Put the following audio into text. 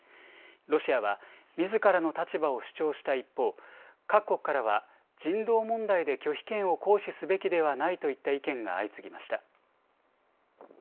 ロシアはみずからの立場を主張した一方、各国からは人道問題で拒否権を行使すべきではないといった意見が相次ぎました。